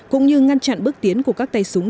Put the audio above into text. cũng như ngăn chặn bước tiến của các tay súng